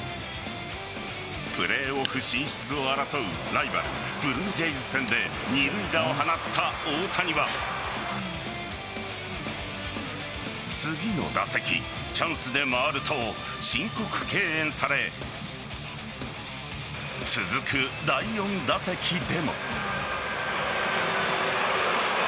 プレーオフ進出を争うライバルブルージェイズ戦で二塁打を放った大谷は次の打席、チャンスで回ると申告敬遠され続く第４打席でも。